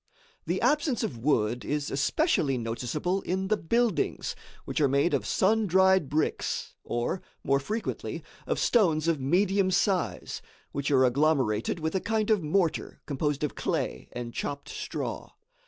The absence of wood is especially noticeable in the buildings, which are made of sun dried bricks, or, more frequently, of stones of medium size which are agglomerated with a kind of mortar composed of clay and chopped straw.